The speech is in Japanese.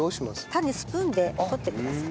種スプーンで取ってください。